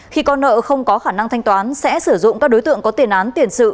khi con nợ không có khả năng thanh toán sẽ sử dụng các đối tượng có tiền án tiền sự